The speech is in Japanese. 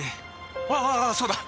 ああそうだ！